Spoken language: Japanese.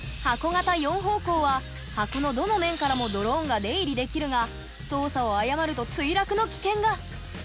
箱のどの面からもドローンが出入りできるが操作を誤ると墜落の危険が。